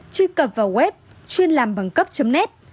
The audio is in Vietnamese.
truy cập vào web chuyên làm bằng cấp net